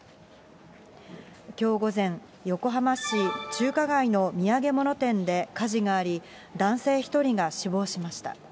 きょう午前、横浜市中華街の土産物店で火事があり、男性１人が死亡しました。